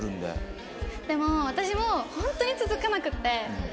でも私もホントに続かなくて。